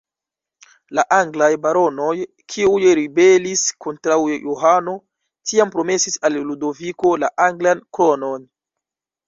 La anglaj baronoj, kiuj ribelis kontraŭ Johano, tiam promesis al Ludoviko la anglan kronon.